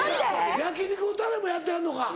焼き肉のタレもやってはんのか？